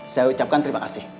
saya ucapkan terima kasih